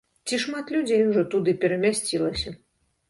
Ці шмат людзей ужо туды перамясцілася?